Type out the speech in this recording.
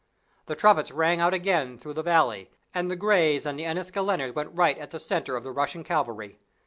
The trumpets rang out again through the valley, and the Greys and the Enniskilleners went right at the centre of the Russian cavalry.